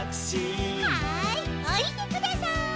はいおりてください。